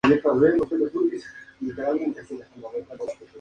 Air Austral ha confiado el diseño de los uniformes a Balenciaga.